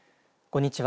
こんにちは。